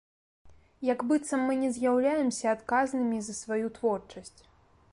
Як быццам мы не з'яўляемся адказнымі за сваю творчасць.